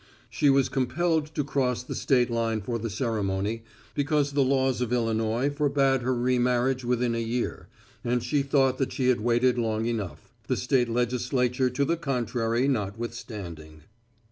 She was compelled to cross the state line for the ceremony because the laws of Illinois forbade her remarriage within a year; and she thought that she had waited long enough, the state legislature to the contrary notwithstanding.